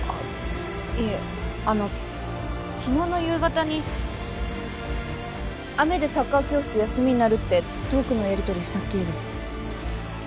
いえあの昨日の夕方に「雨でサッカー教室休みになる」ってトークのやりとりしたっきりです。